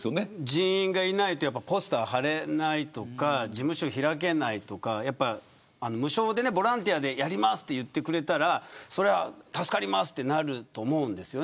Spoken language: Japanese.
人員がいないとポスター貼れないとか事務所開けないとか無償でボランティアでやりますと言ってくれたらそれは助かりますと、なると思うんです。